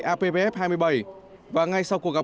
apbf hai mươi bảy và ngay sau cuộc gặp